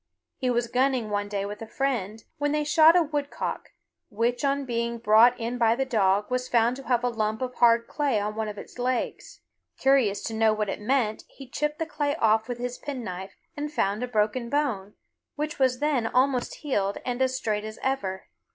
He was gunning one day with a friend, when they shot a woodcock, which on being brought in by the dog was found to have a lump of hard clay on one of its legs. Curious to know what it meant he chipped the clay off with his penknife and found a broken bone, which was then almost healed and as straight as ever.